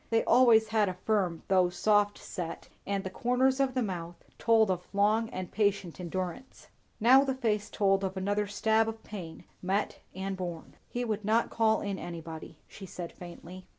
They always had a firm though soft set, and the corners of the mouth told of long and patient endurance. Now the face told of another stab of pain, met and borne. "He would not call in anybody," she said faintly.